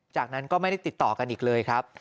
จากนั้นก็ไม่ได้ติดต่อกันอีกเลยครับ